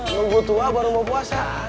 nunggu tua baru mau puasa